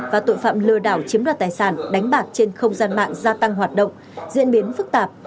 và tội phạm lừa đảo chiếm đoạt tài sản đánh bạc trên không gian mạng gia tăng hoạt động diễn biến phức tạp